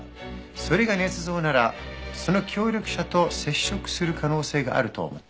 それが捏造ならその協力者と接触する可能性があると思った。